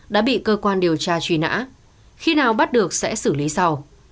đã bị cơ quan điều tra truy nã khi nào bắt được sẽ xử lý sau